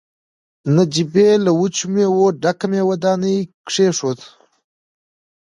نجيبې له وچو مېوو ډکه مېوه داني کېښوده.